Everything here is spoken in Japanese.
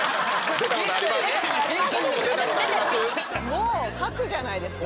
もう「確」じゃないですか